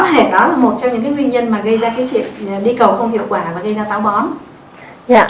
cái chuyện đi cầu không hiệu quả và gây ra táo bón